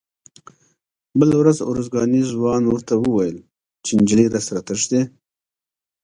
بله ورځ ارزګاني ځوان ورته وویل چې نجلۍ راسره تښتي.